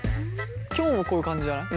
きょももこういう感じじゃない？